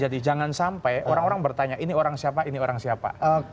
jadi jangan sampai orang orang bertanya ini orang siapa ini orang siapa